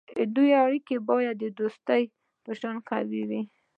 د واده اړیکه باید د دوستی په شان قوي وي.